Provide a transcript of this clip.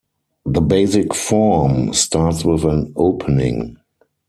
The basic form starts with an "opening".